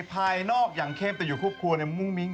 ภายนอกอย่างเข้มแต่อยู่ครอบครัวมุ่งมิ้ง